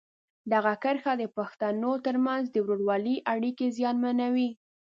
دغه کرښه د پښتنو ترمنځ د ورورولۍ اړیکې زیانمنوي.